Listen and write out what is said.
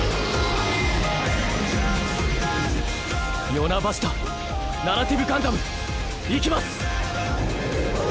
ヨナ・バシュタナラティブガンダム行きます！